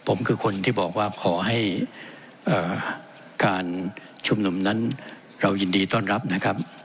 ผมคือคนที่บอกว่าขอให้การชุมนุมนั้นเรายินดีต้อนรับนะครับ